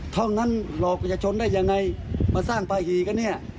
เท่านั้นหลอกจะชนได้ยังไงมาสร้างปลาหี่ก็เนี่ย